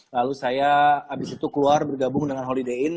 lalu saya habis itu keluar bergabung dengan holiday in